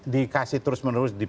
dikasih terus menerus